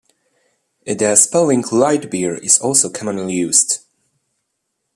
The spelling "lite beer" is also commonly used.